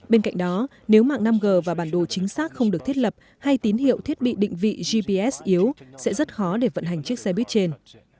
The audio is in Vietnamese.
bên cạnh đó nếu mạng năm g và bản đồ chính xác không được thiết lập hay tín hiệu thiết bị định vị gps yếu sẽ rất khó để vận hành chiếc xe buýt trên